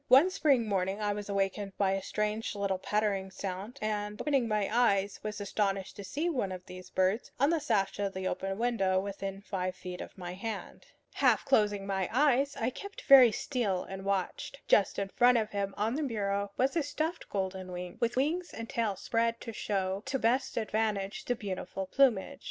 One spring morning I was awakened by a strange little pattering sound, and, opening my eyes, was astonished to see one of these birds on the sash of the open window within five feet of my hand. Half closing my eyes, I kept very still and watched. Just in front of him, on the bureau, was a stuffed golden wing, with wings and tail spread to show to best advantage the beautiful plumage.